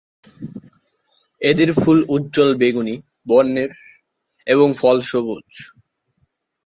এদের ফুল উজ্জ্বল বেগুনি বর্ণের এবং ফল সবুজ।